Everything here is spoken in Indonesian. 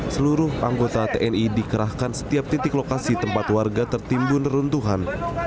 seluruh anggota tni dikerahkan setiap titik lokasi tempat warga tertimbun neruntuhan